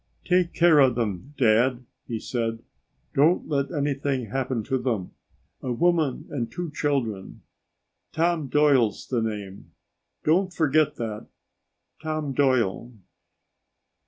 "Take care of them, Dad," he said. "Don't let anything happen to them. A woman and two children. Tom Doyle's the name don't forget that, Tom Doyle."